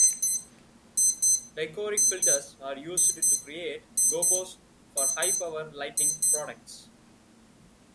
Dichroic filters are also used to create gobos for high-power lighting products.